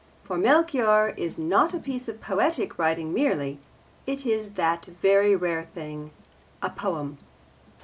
For Melchior is not a piece of poetic writing merely; it is that very rare thing, a poem.